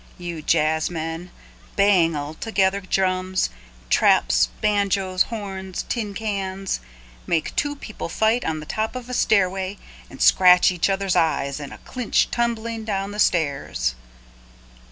you jazzmen, bang altogether drums, traps, banjoes, horns, tin cans—make two people fight on the top of a stairway and scratch each other's eyes in a clinch tumbling down the stairs.